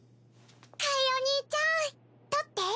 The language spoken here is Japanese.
カイお兄ちゃん取って。